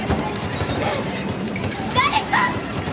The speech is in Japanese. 誰か！